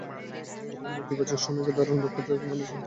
বর্তমানের নেতিবাচক সময়কে দারুণ দক্ষতায় ক্যানভাসে হাজির করেছেন শিল্পী।